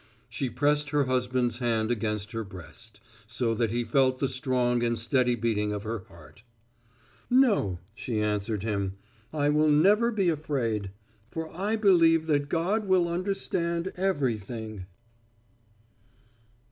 She pressed her husband's hand against her breast, so that he felt the strong and steady beating of her heart. "No," she answered him, "I will never be afraid. For I believe that God will understand everything."